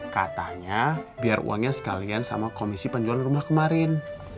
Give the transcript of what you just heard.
katanya biar uangnya sekalian sama komisi penjualan rumah kemarin